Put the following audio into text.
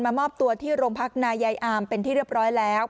มอบตัวที่โรงพักนายายอามเป็นที่เรียบร้อยแล้ว